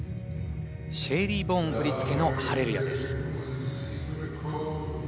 シェイリーン・ボーン振り付けの『ハレルヤ』です。